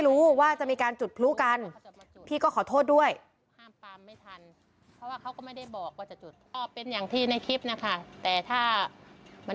ลูกชายเจ๊อ่างแล้วเจ๊อ่างบอกว่า